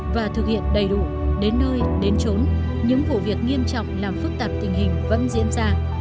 và thực hiện đầy đủ đến nơi đến trốn những vụ việc nghiêm trọng làm phức tạp tình hình vẫn diễn ra